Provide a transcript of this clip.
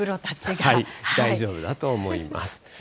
大丈夫だと思います。